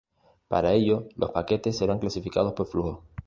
Para ello los paquetes serán clasificados por flujos.